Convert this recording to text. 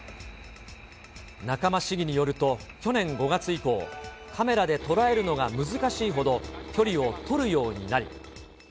仲間市議によると、去年５月以降、カメラで捉えるのが難しいほど、距離を取るようになり。